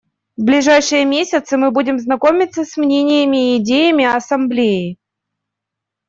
В ближайшие месяцы мы будем знакомиться с мнениями и идеями Ассамблеи.